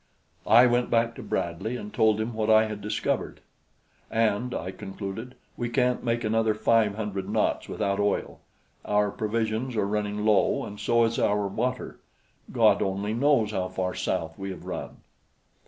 I went back to Bradley and told him what I had discovered. "And," I concluded, "we can't make another five hundred knots without oil; our provisions are running low and so is our water. God only knows how far south we have run."